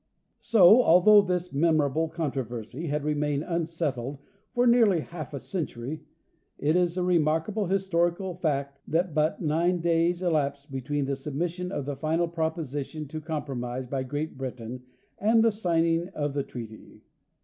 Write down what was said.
So, although this memorable controversy had remained un settled for nearly half a century, it is a remarkable historical fact that but nine days elapsed between the submission of the final proposition to compromise by Great Britain and the signing of the treaty.